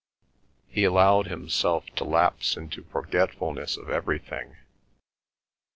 He allowed himself to lapse into forgetfulness of everything.